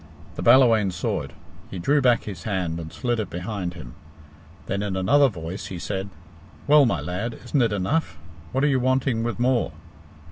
The Ballawhaine saw it. He drew back his hand and slid it behind him. Then in another voice he said, "Well, my lad, isn't it enough? What are you wanting with more?"